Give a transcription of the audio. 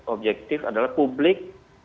objektif adalah publik